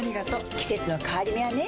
季節の変わり目はねうん。